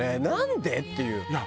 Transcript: なんで？っていう。